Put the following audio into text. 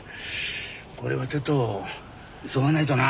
これはちょっと急がないとな。